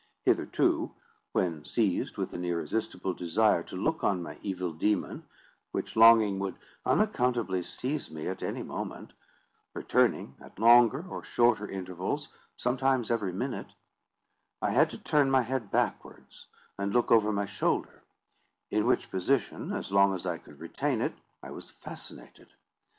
Hitherto, when seized with an irresistible desire to look on my evil demon (which longing would unaccountably seize me at any moment, returning at longer or shorter intervals, sometimes every minute), I had to turn my head backwards, and look over my shoulder; in which position, as long as I could retain it, I was fascinated.